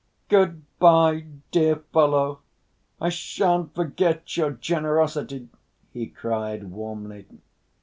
"Good‐by, dear fellow! I shan't forget your generosity," he cried warmly.